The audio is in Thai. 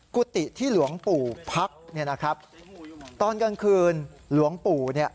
กุฏิที่หลวงปู่พักตอนกลางคืนหลวงปู่